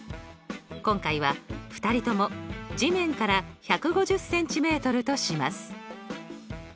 今回は２人とも地面から１５０ｃｍとします。